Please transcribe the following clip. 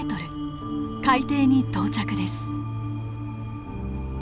海底に到着です。